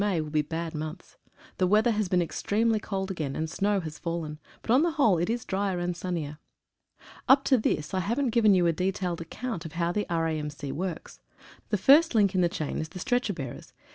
C. May will be bad months. The weather has been ex tremely cold again, and snow has fallen, but on the whole it is drier and sunnier. Up to this I haven't given you a detailed account of how the R.A.M.C. works. The first link in the chain is the stretcher bearers.